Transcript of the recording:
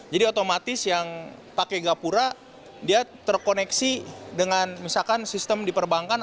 jadi otomatis yang pakai gapura dia terkoneksi dengan misalkan sistem di perbankan